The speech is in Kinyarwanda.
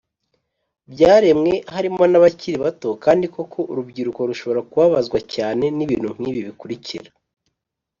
byaremwe harimo n abakiri bato Kandi koko urubyiruko rushobora kubabazwa cyane n ibintu nk ibi bikurikira